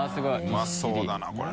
うまそうだなこれ。